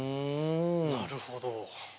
なるほど。